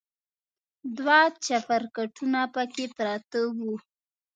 دوه چپرکټونه پکې پراته و.